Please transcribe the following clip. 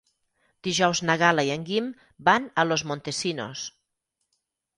Dijous na Gal·la i en Guim van a Los Montesinos.